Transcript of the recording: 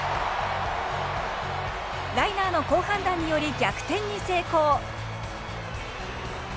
ライナーの好判断により逆転に成功。